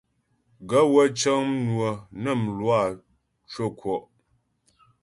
Gaə̂ wə́ cə́ŋ mnwə̀ nə mlwǎ cwə́ ŋkwɔ́'.